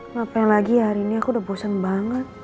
ngapain lagi ya hari ini aku udah bosan banget